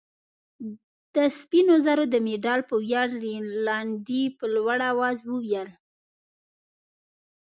د سپینو زرو د مډال په ویاړ. رینالډي په لوړ آواز وویل.